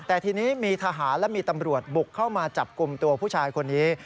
แต่ทีนี้มีทหารและมีตำรวจบุกเข้ามาจับกลุ่มตัวผู้ชายคนนี้